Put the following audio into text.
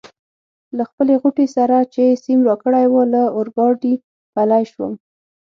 له خپلې غوټې سره چي سیم راکړې وه له اورګاډي پلی شوم.